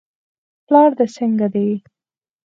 پلار دې څنګه دی.